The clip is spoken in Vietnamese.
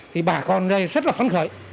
thì bà còn đây rất là phấn khởi